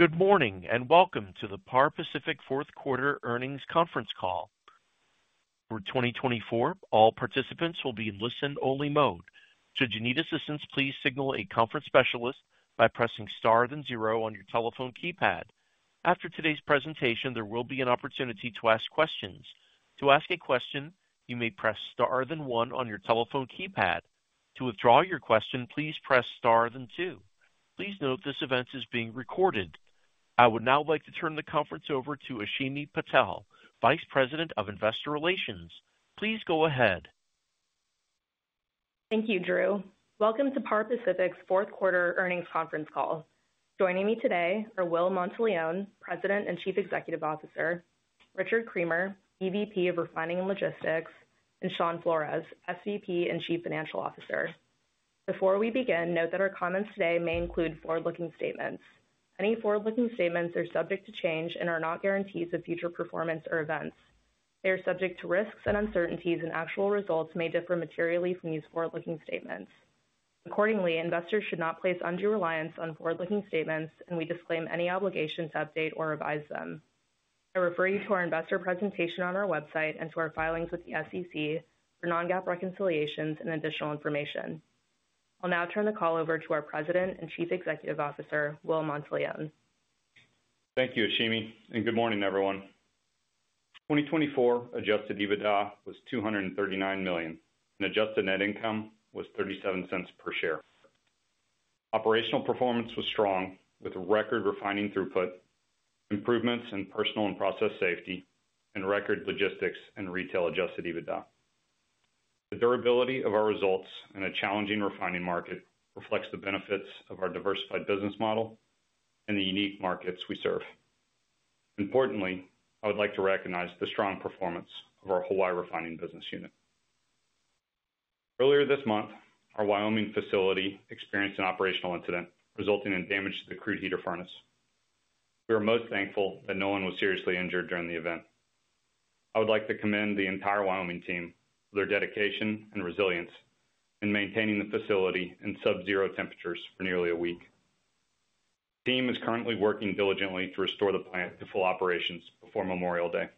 Good morning and welcome to the Par Pacific Fourth Quarter Earnings Conference Call. For 2024, all participants will be in listen-only mode. Should you need assistance, please signal a conference specialist by pressing star then zero on your telephone keypad. After today's presentation, there will be an opportunity to ask questions. To ask a question, you may press star then one on your telephone keypad. To withdraw your question, please press star then two. Please note this event is being recorded. I would now like to turn the conference over to Ashimi Patel, Vice President of Investor Relations. Please go ahead. Thank you, Drew. Welcome to Par Pacific's Fourth Quarter Earnings Conference Call. Joining me today are Will Monteleone, President and Chief Executive Officer; Richard Creamer, EVP of Refining and Logistics; and Shawn Flores, SVP and Chief Financial Officer. Before we begin, note that our comments today may include forward-looking statements. Any forward-looking statements are subject to change and are not guarantees of future performance or events. They are subject to risks and uncertainties, and actual results may differ materially from these forward-looking statements. Accordingly, investors should not place undue reliance on forward-looking statements, and we disclaim any obligation to update or revise them. I refer you to our investor presentation on our website and to our filings with the SEC for non-GAAP reconciliations and additional information. I'll now turn the call over to our President and Chief Executive Officer, Will Monteleone. Thank you, Ashimi, and good morning, everyone. 2024 adjusted EBITDA was $239 million, and adjusted net income was $0.37 per share. Operational performance was strong with record refining throughput, improvements in personal and process safety, and record logistics and retail adjusted EBITDA. The durability of our results in a challenging refining market reflects the benefits of our diversified business model and the unique markets we serve. Importantly, I would like to recognize the strong performance of our Hawaii refining business unit. Earlier this month, our Wyoming facility experienced an operational incident resulting in damage to the crude heater furnace. We are most thankful that no one was seriously injured during the event. I would like to commend the entire Wyoming team for their dedication and resilience in maintaining the facility in sub-zero temperatures for nearly a week. The team is currently working diligently to restore the plant to full operations before Memorial Day.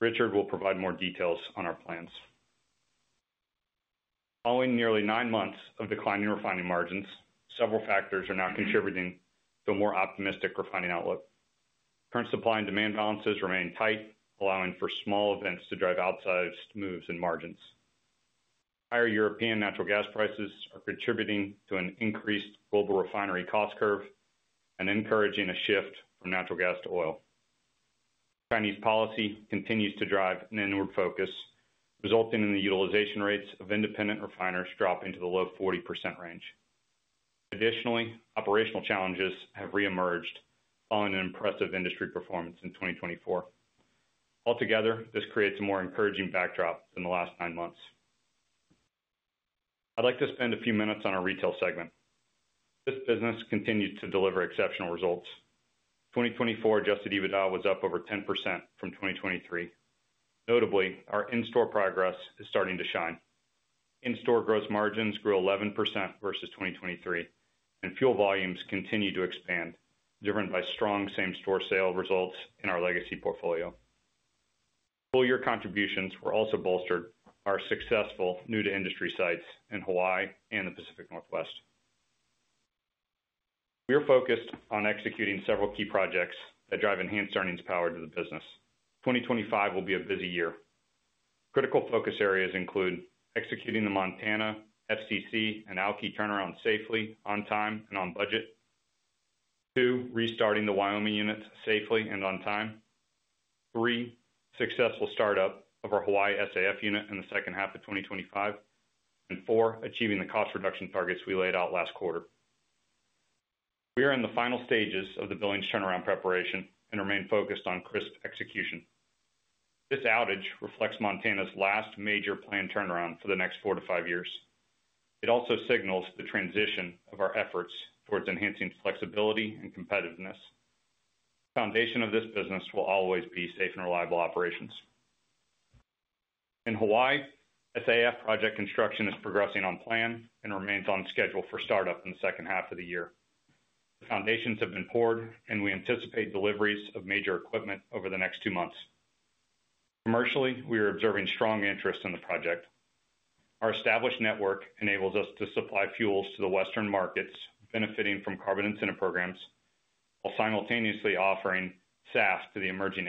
Richard will provide more details on our plans. Following nearly nine months of declining refining margins, several factors are now contributing to a more optimistic refining outlook. Current supply and demand balances remain tight, allowing for small events to drive outsized moves in margins. Higher European natural gas prices are contributing to an increased global refinery cost curve and encouraging a shift from natural gas to oil. Chinese policy continues to drive an inward focus, resulting in the utilization rates of independent refiners dropping to the low 40% range. Additionally, operational challenges have reemerged following an impressive industry performance in 2024. Altogether, this creates a more encouraging backdrop than the last nine months. I'd like to spend a few minutes on our retail segment. This business continues to deliver exceptional results. 2024 Adjusted EBITDA was up over 10% from 2023. Notably, our in-store progress is starting to shine. In-store gross margins grew 11% versus 2023, and fuel volumes continue to expand, driven by strong same-store sale results in our legacy portfolio. Full-year contributions were also bolstered by our successful new-to-industry sites in Hawaii and the Pacific Northwest. We are focused on executing several key projects that drive enhanced earnings power to the business. 2025 will be a busy year. Critical focus areas include executing the Montana, FCC, and Alky turnaround safely, on time, and on budget. Two, restarting the Wyoming unit safely and on time. Three, successful startup of our Hawaii SAF unit in the second half of 2025. And four, achieving the cost reduction targets we laid out last quarter. We are in the final stages of the Billings turnaround preparation and remain focused on crisp execution. This outage reflects Montana's last major planned turnaround for the next four to five years. It also signals the transition of our efforts towards enhancing flexibility and competitiveness. The foundation of this business will always be safe and reliable operations. In Hawaii, SAF project construction is progressing on plan and remains on schedule for startup in the second half of the year. The foundations have been poured, and we anticipate deliveries of major equipment over the next two months. Commercially, we are observing strong interest in the project. Our established network enables us to supply fuels to the Western markets, benefiting from carbon incentive programs, while simultaneously offering SAF to the emerging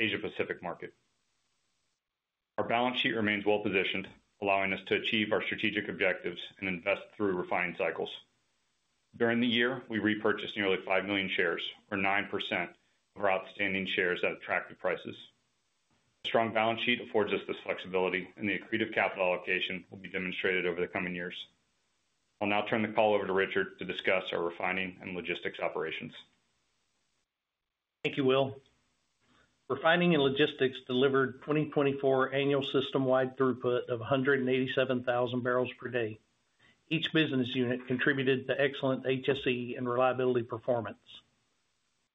Asia-Pacific market. Our balance sheet remains well-positioned, allowing us to achieve our strategic objectives and invest through refining cycles. During the year, we repurchased nearly five million shares, or 9% of our outstanding shares at attractive prices. A strong balance sheet affords us this flexibility, and the accretive capital allocation will be demonstrated over the coming years. I'll now turn the call over to Richard to discuss our refining and logistics operations. Thank you, Will. Refining and logistics delivered 2024 annual system-wide throughput of 187,000 barrels per day. Each business unit contributed to excellent HSE and reliability performance.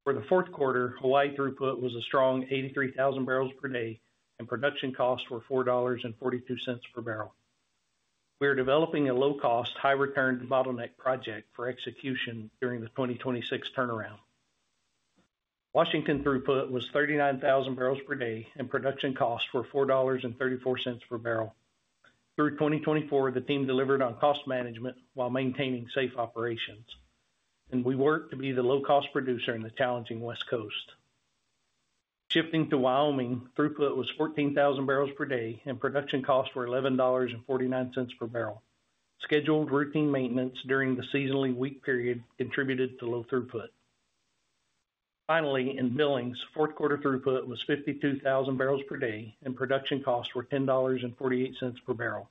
For the fourth quarter, Hawaii throughput was a strong 83,000 barrels per day, and production costs were $4.42 per barrel. We are developing a low-cost, high-return bottleneck project for execution during the 2026 turnaround. Washington throughput was 39,000 barrels per day, and production costs were $4.34 per barrel. Through 2024, the team delivered on cost management while maintaining safe operations, and we worked to be the low-cost producer in the challenging West Coast. Shifting to Wyoming, throughput was 14,000 barrels per day, and production costs were $11.49 per barrel. Scheduled routine maintenance during the seasonally weak period contributed to low throughput. Finally, in Billings, fourth quarter throughput was 52,000 barrels per day, and production costs were $10.48 per barrel.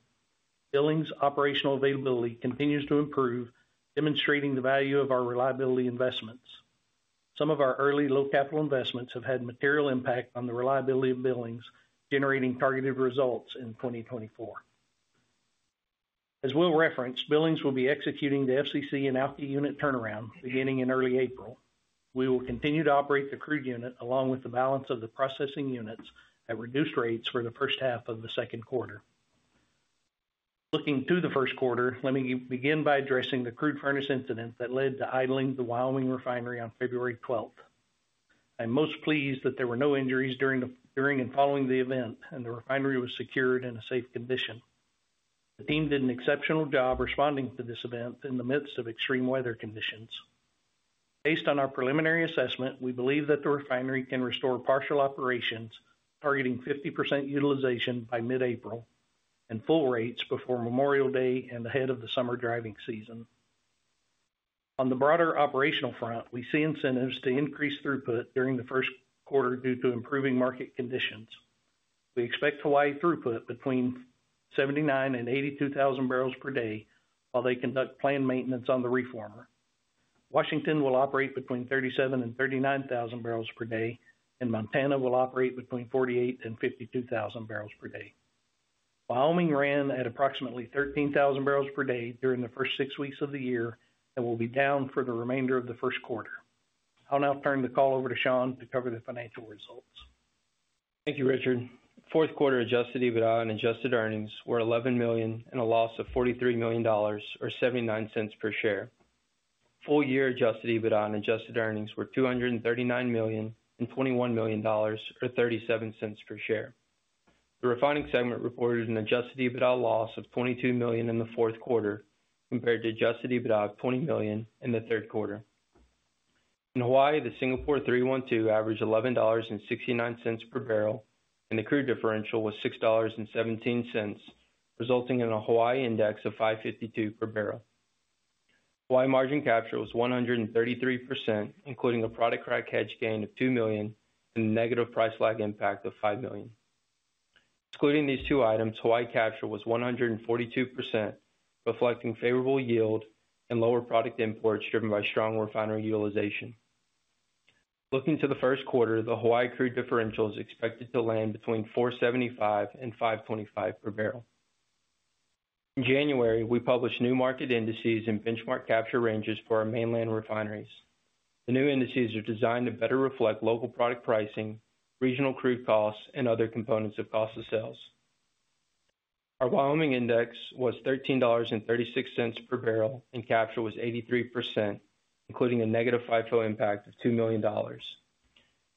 Billings operational availability continues to improve, demonstrating the value of our reliability investments. Some of our early low-capital investments have had material impact on the reliability of Billings, generating targeted results in 2024. As Will referenced, Billings will be executing the FCC and Alky unit turnaround beginning in early April. We will continue to operate the crude unit along with the balance of the processing units at reduced rates for the first half of the second quarter. Looking to the first quarter, let me begin by addressing the crude furnace incident that led to idling the Wyoming refinery on February 12th. I am most pleased that there were no injuries during and following the event, and the refinery was secured in a safe condition. The team did an exceptional job responding to this event in the midst of extreme weather conditions. Based on our preliminary assessment, we believe that the refinery can restore partial operations, targeting 50% utilization by mid-April, and full rates before Memorial Day and ahead of the summer driving season. On the broader operational front, we see incentives to increase throughput during the first quarter due to improving market conditions. We expect Hawaii throughput between 79,000 and 82,000 barrels per day while they conduct planned maintenance on the reformer. Washington will operate between 37,000 and 39,000 barrels per day, and Montana will operate between 48,000 and 52,000 barrels per day. Wyoming ran at approximately 13,000 barrels per day during the first six weeks of the year and will be down for the remainder of the first quarter. I'll now turn the call over to Shawn to cover the financial results. Thank you, Richard. Fourth quarter adjusted EBITDA and adjusted earnings were $11 million and a loss of $43 million, or $0.79 per share. Full-year adjusted EBITDA and adjusted earnings were $239 million and $21 million, or $0.37 per share. The refining segment reported an adjusted EBITDA loss of $22 million in the fourth quarter compared to adjusted EBITDA of $20 million in the third quarter. In Hawaii, the Singapore 3-1-2 averaged $11.69 per barrel, and the crude differential was $6.17, resulting in a Hawaii index of $5.52 per barrel. Hawaii margin capture was 133%, including a product crack hedge gain of $2 million and a negative price lag impact of $5 million. Excluding these two items, Hawaii capture was 142%, reflecting favorable yield and lower product imports driven by strong refinery utilization. Looking to the first quarter, the Hawaii crude differential is expected to land between $475 and $525 per barrel. In January, we published new market indices and benchmark capture ranges for our mainland refineries. The new indices are designed to better reflect local product pricing, regional crude costs, and other components of cost of sales. Our Wyoming index was $13.36 per barrel, and capture was 83%, including a negative FIFO impact of $2 million.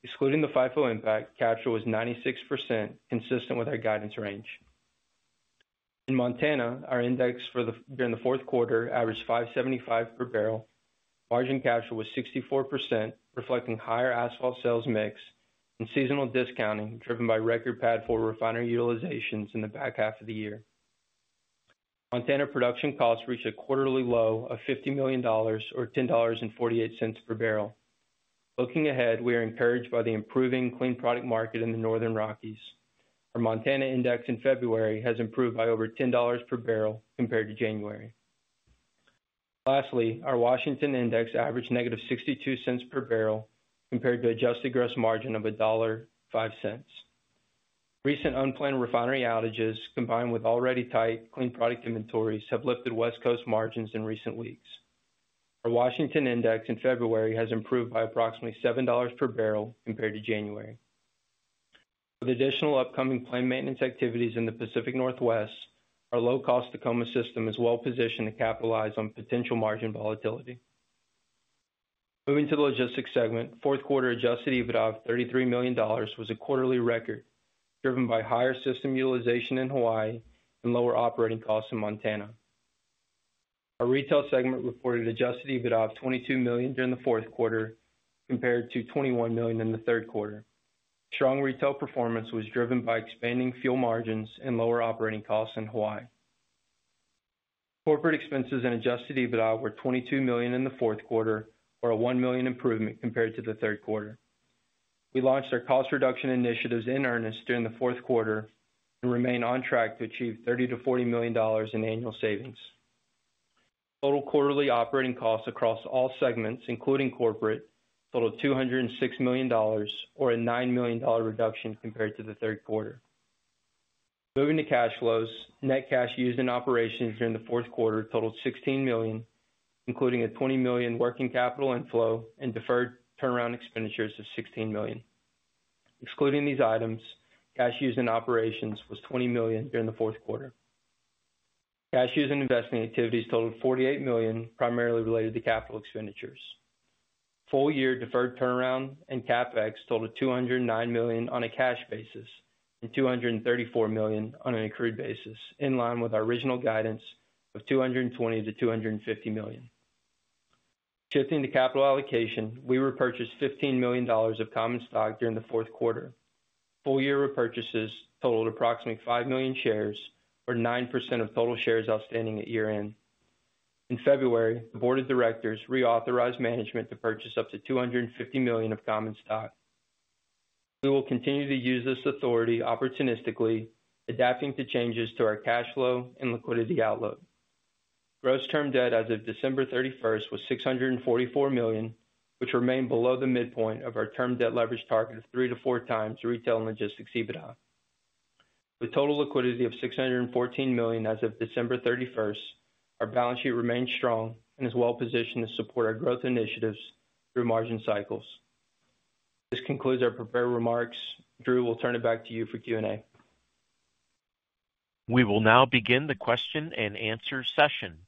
Excluding the FIFO impact, capture was 96%, consistent with our guidance range. In Montana, our index during the fourth quarter averaged $575 per barrel. Margin capture was 64%, reflecting higher asphalt sales mix and seasonal discounting driven by record PADD 4 refinery utilizations in the back half of the year. Montana production costs reached a quarterly low of $50 million, or $10.48 per barrel. Looking ahead, we are encouraged by the improving clean product market in the Northern Rockies. Our Montana index in February has improved by over $10 per barrel compared to January. Lastly, our Washington index averaged negative $0.62 per barrel compared to adjusted gross margin of $1.05. Recent unplanned refinery outages, combined with already tight clean product inventories, have lifted West Coast margins in recent weeks. Our Washington index in February has improved by approximately $7 per barrel compared to January. With additional upcoming planned maintenance activities in the Pacific Northwest, our low-cost Tacoma system is well-positioned to capitalize on potential margin volatility. Moving to the logistics segment, fourth quarter Adjusted EBITDA of $33 million was a quarterly record, driven by higher system utilization in Hawaii and lower operating costs in Montana. Our retail segment reported Adjusted EBITDA of $22 million during the fourth quarter compared to $21 million in the third quarter. Strong retail performance was driven by expanding fuel margins and lower operating costs in Hawaii. Corporate expenses and Adjusted EBITDA were $22 million in the fourth quarter, or a $1 million improvement compared to the third quarter. We launched our cost reduction initiatives in earnest during the fourth quarter and remain on track to achieve $30-$40 million in annual savings. Total quarterly operating costs across all segments, including corporate, totaled $206 million, or a $9 million reduction compared to the third quarter. Moving to cash flows, net cash used in operations during the fourth quarter totaled $16 million, including a $20 million working capital inflow and deferred turnaround expenditures of $16 million. Excluding these items, cash used in operations was $20 million during the fourth quarter. Cash used in investing activities totaled $48 million, primarily related to capital expenditures. Full-year deferred turnaround and CapEx totaled $209 million on a cash basis and $234 million on an accrued basis, in line with our original guidance of $220-$250 million. Shifting to capital allocation, we repurchased $15 million of common stock during the fourth quarter. Full-year repurchases totaled approximately five million shares, or 9% of total shares outstanding at year-end. In February, the board of directors reauthorized management to purchase up to $250 million of common stock. We will continue to use this authority opportunistically, adapting to changes to our cash flow and liquidity outlook. Gross term debt as of December 31st was $644 million, which remained below the midpoint of our term debt leverage target of three to four times retail and logistics EBITDA. With total liquidity of $614 million as of December 31st, our balance sheet remains strong and is well-positioned to support our growth initiatives through margin cycles. This concludes our prepared remarks. Drew, we'll turn it back to you for Q&A. We will now begin the question and answer session.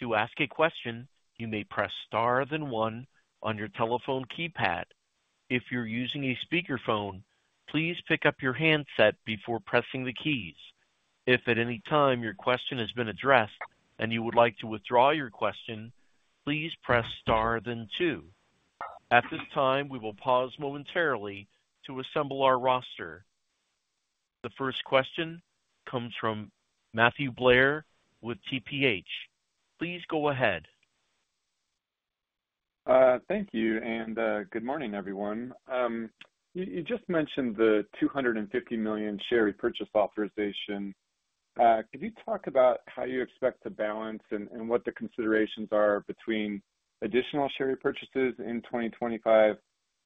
To ask a question, you may press star then one on your telephone keypad. If you're using a speakerphone, please pick up your handset before pressing the keys. If at any time your question has been addressed and you would like to withdraw your question, please press star then two. At this time, we will pause momentarily to assemble our roster. The first question comes from Matthew Blair with TPH. Please go ahead. Thank you, and good morning, everyone. You just mentioned the $250 million share repurchase authorization. Could you talk about how you expect to balance and what the considerations are between additional share repurchases in 2025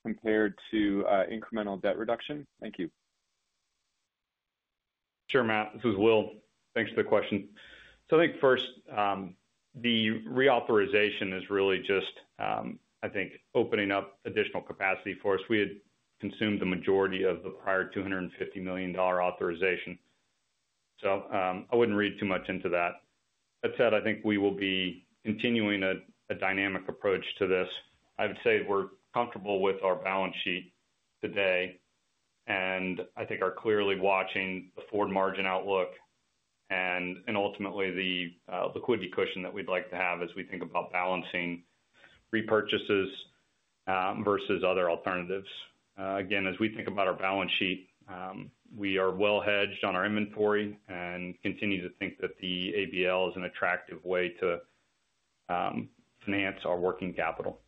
compared to incremental debt reduction? Thank you. Sure, Matt. This is Will. Thanks for the question. So I think first, the reauthorization is really just, I think, opening up additional capacity for us. We had consumed the majority of the prior $250 million authorization. So I wouldn't read too much into that. That said, I think we will be continuing a dynamic approach to this. I would say we're comfortable with our balance sheet today, and I think are clearly watching the forward margin outlook and ultimately the liquidity cushion that we'd like to have as we think about balancing repurchases versus other alternatives. Again, as we think about our balance sheet, we are well-hedged on our inventory and continue to think that the ABL is an attractive way to finance our working capital.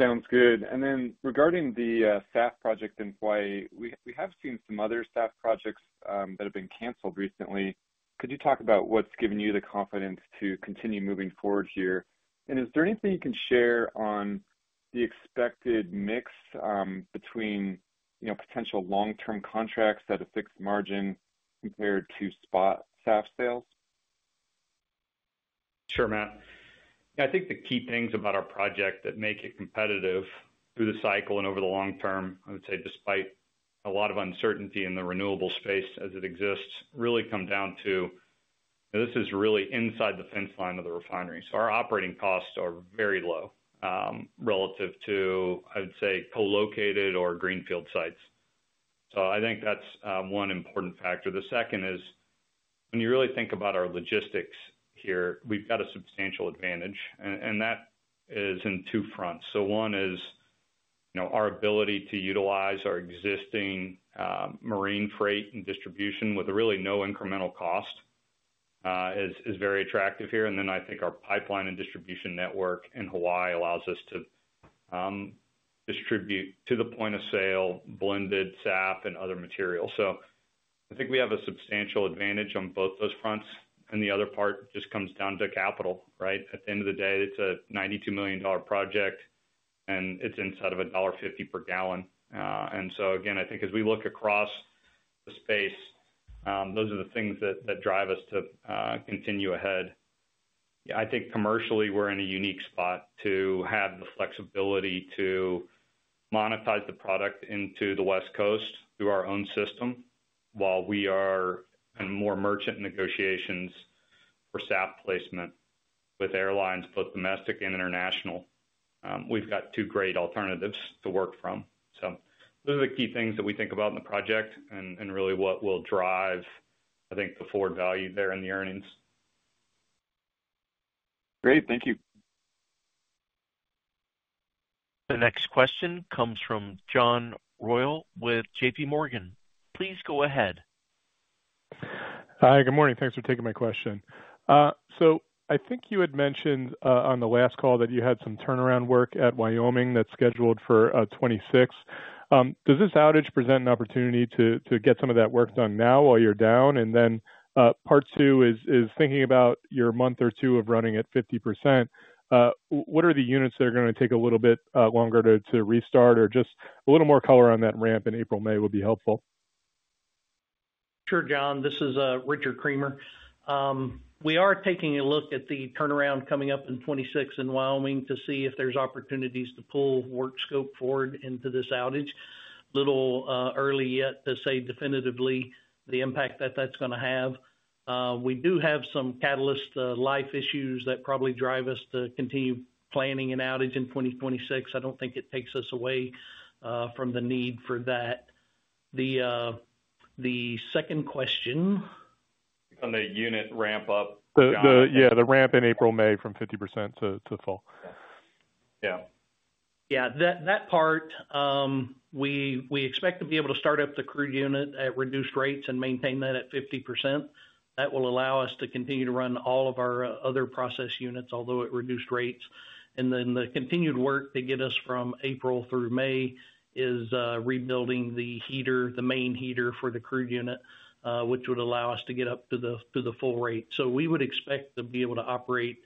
Sounds good. And then regarding the SAF project in Hawaii, we have seen some other SAF projects that have been canceled recently. Could you talk about what's given you the confidence to continue moving forward here? And is there anything you can share on the expected mix between potential long-term contracts at a fixed margin compared to spot SAF sales? Sure, Matt. Yeah, I think the key things about our project that make it competitive through the cycle and over the long term, I would say, despite a lot of uncertainty in the renewable space as it exists, really come down to this is really inside the fence line of the refinery. So our operating costs are very low relative to, I would say, co-located or greenfield sites. So I think that's one important factor. The second is, when you really think about our logistics here, we've got a substantial advantage, and that is in two fronts. So one is our ability to utilize our existing marine freight and distribution with really no incremental cost is very attractive here. And then I think our pipeline and distribution network in Hawaii allows us to distribute to the point of sale blended SAF and other materials. So I think we have a substantial advantage on both those fronts. And the other part just comes down to capital, right? At the end of the day, it's a $92 million project, and it's inside of $1.50 per gallon. And so, again, I think as we look across the space, those are the things that drive us to continue ahead. Yeah, I think commercially we're in a unique spot to have the flexibility to monetize the product into the West Coast through our own system while we are in more merchant negotiations for SAF placement with airlines, both domestic and international. We've got two great alternatives to work from. So those are the key things that we think about in the project and really what will drive, I think, the forward value there in the earnings. Great. Thank you. The next question comes from John Royall with J.P. Morgan. Please go ahead. Hi, good morning. Thanks for taking my question. So I think you had mentioned on the last call that you had some turnaround work at Wyoming that's scheduled for 2026. Does this outage present an opportunity to get some of that work done now while you're down? And then part two is thinking about your month or two of running at 50%. What are the units that are going to take a little bit longer to restart or just a little more color on that ramp in April, May would be helpful? Sure, John. This is Richard Creamer. We are taking a look at the turnaround coming up in 2026 in Wyoming to see if there's opportunities to pull work scope forward into this outage. A little early yet to say definitively the impact that that's going to have. We do have some catalyst life issues that probably drive us to continue planning an outage in 2026. I don't think it takes us away from the need for that. The second question. On the unit ramp up. Yeah, the ramp in April, May from 50% to full. Yeah. Yeah, that part, we expect to be able to start up the crude unit at reduced rates and maintain that at 50%. That will allow us to continue to run all of our other process units, although at reduced rates, and then the continued work to get us from April through May is rebuilding the heater, the main heater for the crude unit, which would allow us to get up to the full rate. So we would expect to be able to operate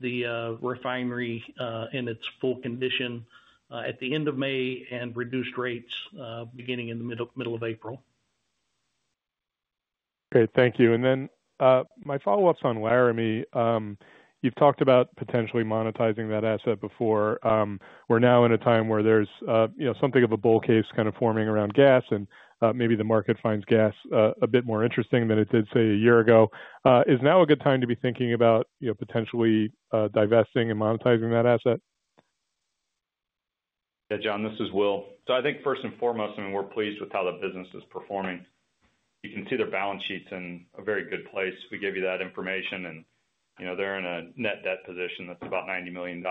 the refinery in its full condition at the end of May and reduced rates beginning in the middle of April. Great. Thank you. And then my follow-ups on Wyoming, you've talked about potentially monetizing that asset before. We're now in a time where there's something of a bull case kind of forming around gas, and maybe the market finds gas a bit more interesting than it did, say, a year ago. Is now a good time to be thinking about potentially divesting and monetizing that asset? Yeah, John, this is Will. So I think first and foremost, I mean, we're pleased with how the business is performing. You can see their balance sheets in a very good place. We gave you that information, and they're in a net debt position that's about $90 million,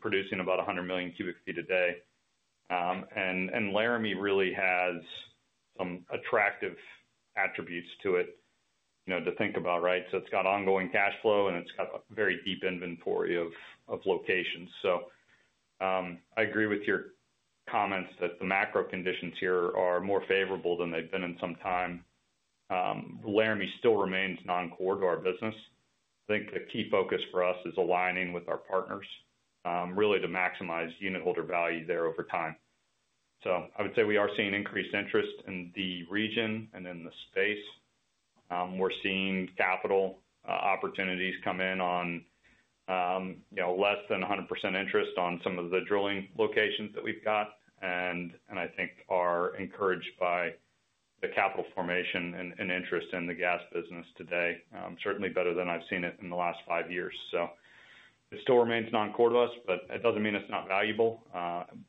producing about 100 million cubic feet a day, and Laramie really has some attractive attributes to it to think about, right? So it's got ongoing cash flow, and it's got a very deep inventory of locations. So I agree with your comments that the macro conditions here are more favorable than they've been in some time. Laramie still remains non-core to our business. I think the key focus for us is aligning with our partners really to maximize unit holder value there over time, so I would say we are seeing increased interest in the region and in the space. We're seeing capital opportunities come in on less than 100% interest on some of the drilling locations that we've got, and I think are encouraged by the capital formation and interest in the gas business today, certainly better than I've seen it in the last five years. So it still remains non-core to us, but it doesn't mean it's not valuable.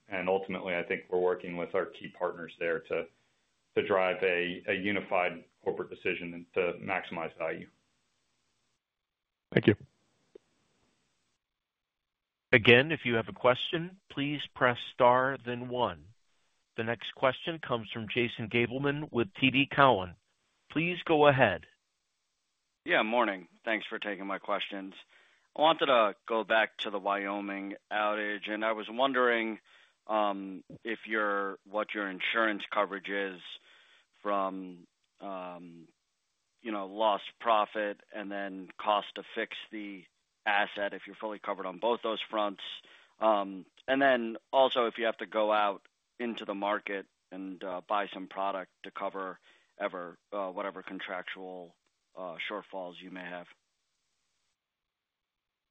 And ultimately, I think we're working with our key partners there to drive a unified corporate decision and to maximize value. Thank you. Again, if you have a question, please press star then one. The next question comes from Jason Gabelman with TD Cowen. Please go ahead. Yeah, morning. Thanks for taking my questions. I wanted to go back to the Wyoming outage, and I was wondering what your insurance coverage is from lost profit and then cost to fix the asset if you're fully covered on both those fronts. And then also if you have to go out into the market and buy some product to cover whatever contractual shortfalls you may have?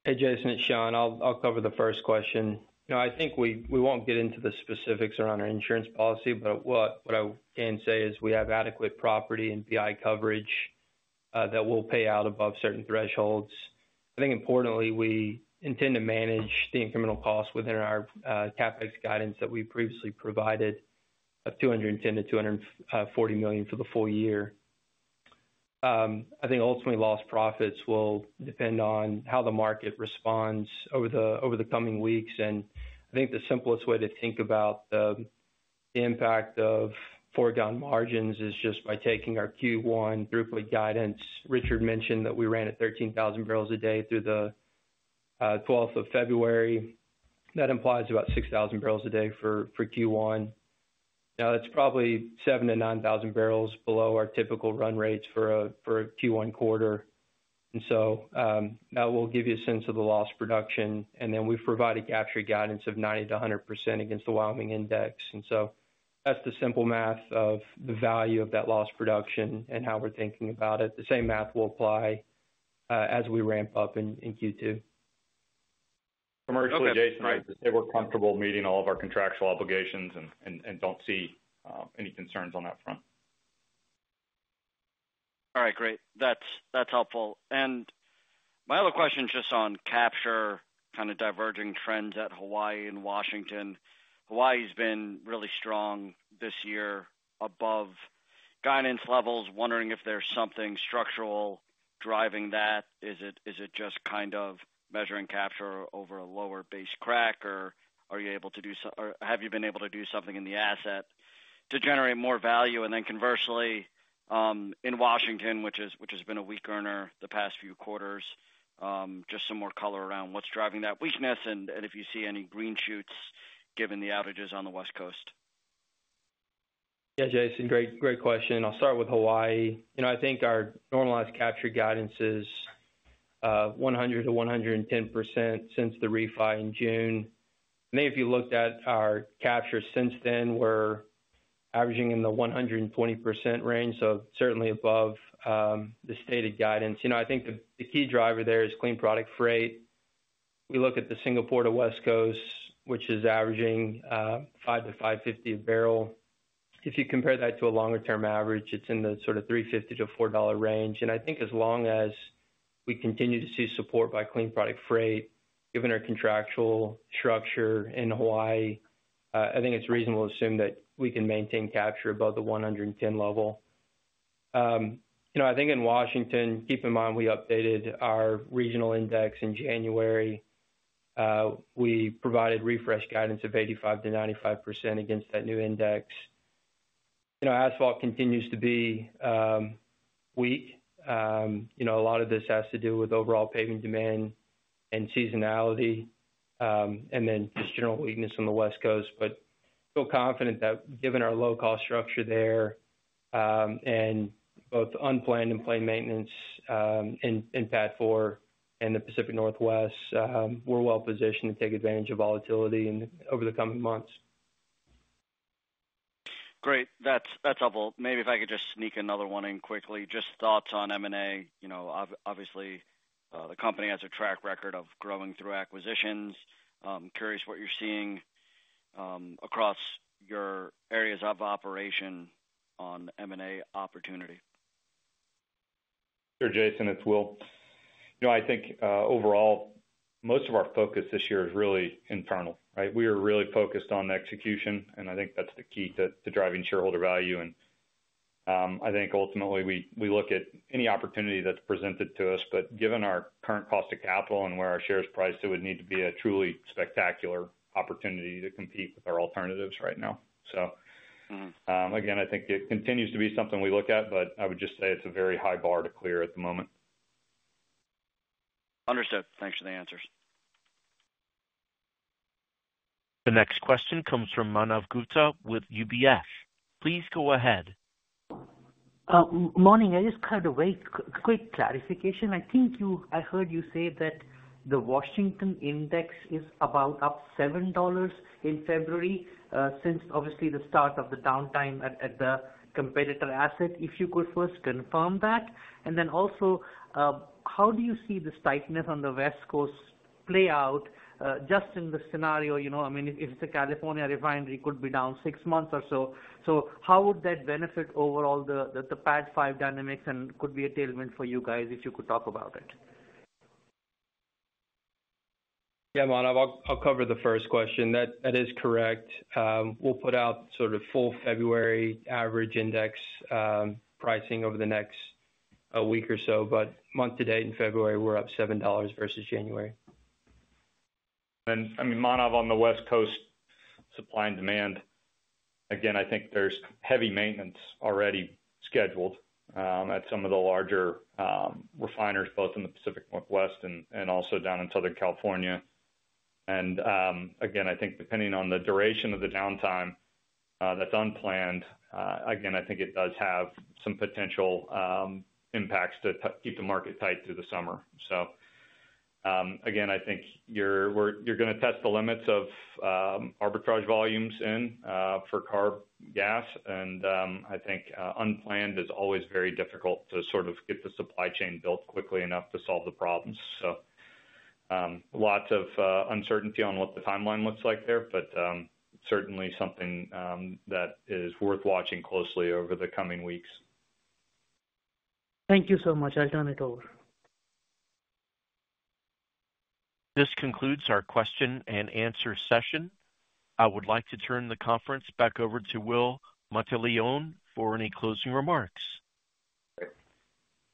Hey, Jason, it's Shawn. I'll cover the first question. I think we won't get into the specifics around our insurance policy, but what I can say is we have adequate property and PI coverage that will pay out above certain thresholds. I think importantly, we intend to manage the incremental costs within our CapEx guidance that we previously provided of $210 million-$240 million for the full year. I think ultimately lost profits will depend on how the market responds over the coming weeks. I think the simplest way to think about the impact of foregone margins is just by taking our Q1 throughput guidance. Richard mentioned that we ran at 13,000 barrels a day through the 12th of February. That implies about 6,000 barrels a day for Q1. Now, that's probably 7,000-9,000 barrels below our typical run rates for a Q1 quarter. And so that will give you a sense of the lost production. And then we've provided capture guidance of 90%-100% against the Wyoming index. And so that's the simple math of the value of that lost production and how we're thinking about it. The same math will apply as we ramp up in Q2. From our side, Jason, they were comfortable meeting all of our contractual obligations and don't see any concerns on that front. All right, great. That's helpful. And my other question is just on capture kind of diverging trends at Hawaii and Washington. Hawaii's been really strong this year above guidance levels. Wondering if there's something structural driving that. Is it just kind of measuring capture over a lower base crack, or are you able to do or have you been able to do something in the asset to generate more value? And then conversely, in Washington, which has been a weak earner the past few quarters, just some more color around what's driving that weakness and if you see any green shoots given the outages on the West Coast. Yeah, Jason, great question. I'll start with Hawaii. I think our normalized capture guidance is 100%-110% since the refi in June. I think if you looked at our capture since then, we're averaging in the 120% range, so certainly above the stated guidance. I think the key driver there is clean product freight. We look at the Singapore to West Coast, which is averaging $5-$5.50 a barrel. If you compare that to a longer-term average, it's in the sort of $3.50-$4 range. And I think as long as we continue to see support by clean product freight, given our contractual structure in Hawaii, I think it's reasonable to assume that we can maintain capture above the 110% level. I think in Washington, keep in mind we updated our regional index in January. We provided refresh guidance of 85%-95% against that new index. Asphalt continues to be weak. A lot of this has to do with overall paving demand and seasonality and then just general weakness on the West Coast. But I feel confident that given our low-cost structure there and both unplanned and planned maintenance in PADD 4 and the Pacific Northwest, we're well-positioned to take advantage of volatility over the coming months. Great. That's helpful. Maybe if I could just sneak another one in quickly, just thoughts on M&A. Obviously, the company has a track record of growing through acquisitions. Curious what you're seeing across your areas of operation on M&A opportunity? Sure, Jason, it's Will. I think overall, most of our focus this year is really internal, right? We are really focused on execution, and I think that's the key to driving shareholder value. And I think ultimately we look at any opportunity that's presented to us, but given our current cost of capital and where our shares priced, it would need to be a truly spectacular opportunity to compete with our alternatives right now. So again, I think it continues to be something we look at, but I would just say it's a very high bar to clear at the moment. Understood. Thanks for the answers. The next question comes from Manav Gupta with UBS. Please go ahead. Morning. I just had a quick clarification. I think I heard you say that the Washington index is about up $7 in February since obviously the start of the downtime at the competitor asset. If you could first confirm that, and then also, how do you see the tightness on the West Coast play out just in the scenario? I mean, if it's a California refinery, it could be down six months or so, so how would that benefit overall the PADD 5 dynamics and could be a tailwind for you guys if you could talk about it? Yeah, Manav, I'll cover the first question. That is correct. We'll put out sort of full February average index pricing over the next week or so, but month to date in February, we're up $7 versus January. And I mean, Manav, on the West Coast supply and demand, again, I think there's heavy maintenance already scheduled at some of the larger refiners, both in the Pacific Northwest and also down in Southern California. And again, I think depending on the duration of the downtime that's unplanned, again, I think it does have some potential impacts to keep the market tight through the summer. So again, I think you're going to test the limits of arbitrage volumes in for cargoes. And I think unplanned is always very difficult to sort of get the supply chain built quickly enough to solve the problems. So lots of uncertainty on what the timeline looks like there, but certainly something that is worth watching closely over the coming weeks. Thank you so much. I'll turn it over. This concludes our question and answer session. I would like to turn the conference back over to Will Monteleone for any closing remarks.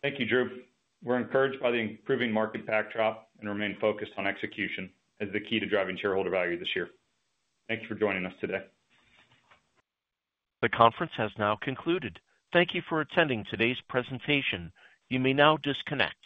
Thank you, Drew. We're encouraged by the improving market backdrop and remain focused on execution as the key to driving shareholder value this year. Thank you for joining us today. The conference has now concluded. Thank you for attending today's presentation. You may now disconnect.